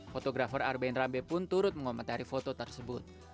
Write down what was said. fotografer arben rambe pun turut mengomentari foto tersebut